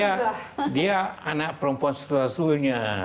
karena dia anak perempuan setelah suhunya